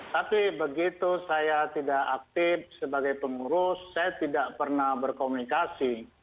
tapi begitu saya tidak aktif sebagai pengurus saya tidak pernah berkomunikasi